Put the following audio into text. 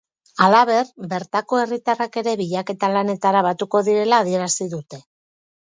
Halaber, bertako herritarrak ere bilaketa lanetara batuko direla adierazi dute.